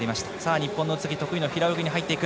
日本の宇津木得意の平泳ぎに移っていく。